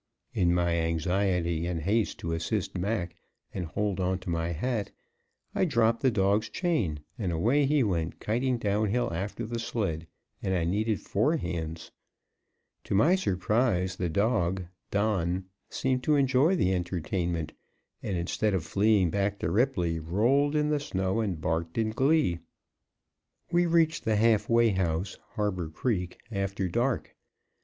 In my anxiety and haste to assist Mac, and hold on to my hat, I dropped the dog's chain, and away he went kiting down hill after the sled; and I needed four hands. To my surprise, the dog, Don, seemed to enjoy the entertainment, and instead of fleeing back to Ripley, rolled in the snow and barked in glee. We reached the Half Way House, Harbor Creek, after dark.